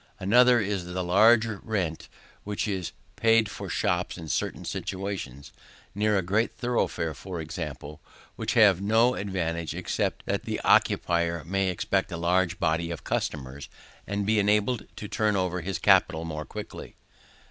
Another is, the large rent which is paid for shops in certain situations, near a great thoroughfare for example, which have no advantage except that the occupier may expect a larger body of customers, and be enabled to turn over his capital more quickly.